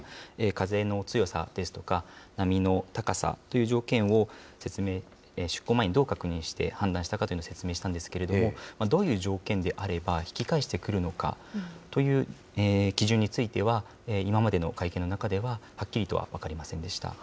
風の強さですとか、波の高さという条件を出航前にどう確認して、判断したかというのを説明したんですけれども、どういう条件であれば引き返してくるのかという基準については、今までの会見の中では、はっきりとは分かりませんでした。